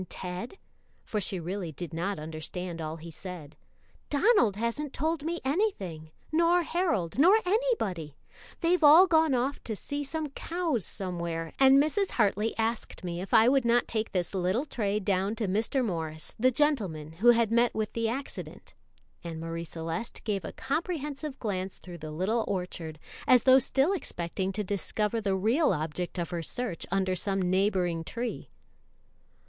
Ted?" for she really did not understand all he said. "Donald hasn't told me anything, nor Harold, nor anybody. They've all gone off to see some cows somewhere, and Mrs. Hartley asked me if I would not take this little tray down to Mr. Morris, the gentleman who had met with the accident," and Marie Celeste gave a comprehensive glance through the little orchard, as though still expecting to discover the real object of her search under some neighboring tree.